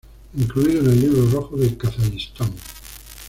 Incluido en el Libro Rojo de Kazajistán.